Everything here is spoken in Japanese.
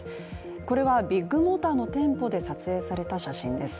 これは、ビッグモーターの店舗で撮影された写真です。